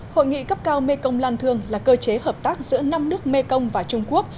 hội nghị cấp cao mekong lan thương là cơ chế hợp tác giữa năm nước mekong và trung quốc